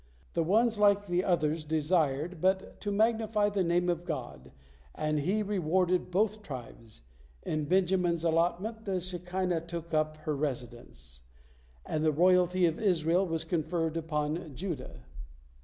The ones like the others desired but to magnify the Name of God, and He rewarded both tribes: in Benjamin's allotment the Shekinah took up her residence, and the royalty of Israel was conferred upon Judah.